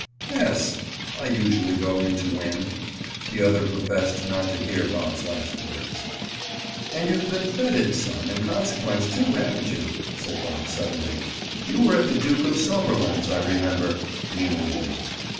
"Yes; I usually go in to win." The other professed not to hear Bob's last words. "And you've been feted some, in consequence, too, haven't you?" said Bob suddenly. "You were at the Duke of Somberland's, I remember." Meaningly.